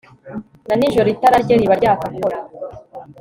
na nijoro itara rye riba ryaka akora